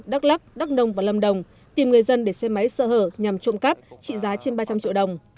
đắk lắc đắk nông và lâm đồng tìm người dân để xe máy sơ hở nhằm trộm cắp trị giá trên ba trăm linh triệu đồng